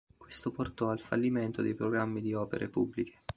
Questo portò al fallimento dei programmi di opere pubbliche.